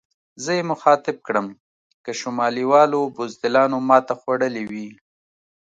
زه یې مخاطب کړم: که شمالي والو بزدلانو ماته خوړلې وي.